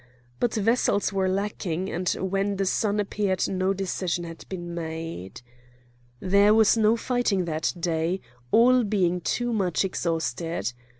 But vessels were lacking, and when the sun appeared no decision had been made. There was no fighting that day, all being too much exhausted.